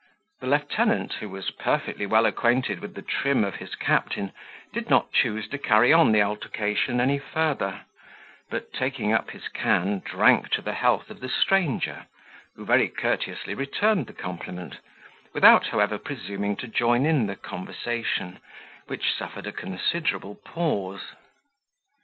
The lieutenant, who was perfectly well acquainted with the trim of his captain, did not choose to carry on the altercation any further; but taking up his can, drank to the health of the stranger, who very courteously returned the compliment, without, however, presuming to join in the conversation, which suffered a considerable pause.